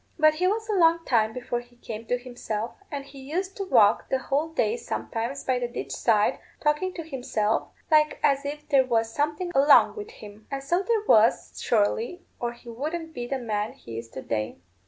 But he was a long time before he came to himself; and he used to walk the whole day sometimes by the ditch side, talking to himself, like as if there was someone along with him. And so there was, surely, or he wouldn't be the man he is to day."